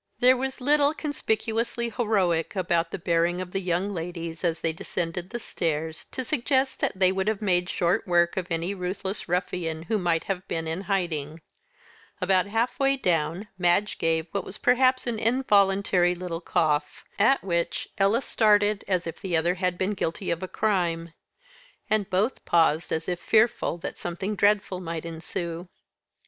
There was little conspicuously heroic about the bearing of the young ladies as they descended the stairs to suggest that they would have made short work of any ruthless ruffian who might have been in hiding. About halfway down, Madge gave what was perhaps an involuntary little cough; at which Ella started as if the other had been guilty of a crime; and both paused as if fearful that something dreadful might ensue.